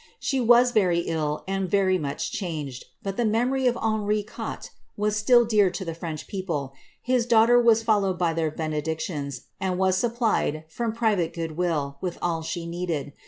She was very iU, and very much changed : bat the memory of Henri Quatre was still dear to the French people ; his daughter was followed by their benedictions, and supplied, from pri vate good will, with all she needed.